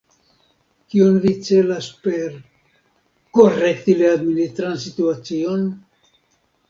Kion vi celas per ”korekti la administran situacion”?